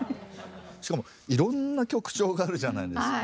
しかもいろんな曲調があるじゃないですか。